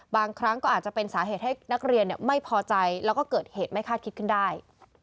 บางครั้งก็อาจจะเป็นสาเหตุให้นักเรียนไม่พอใจแล้วก็เกิดเหตุไม่คาดคิดขึ้นได้